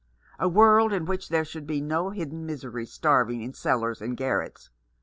A world in which there should be no hidden misery starving in cellars and garrets.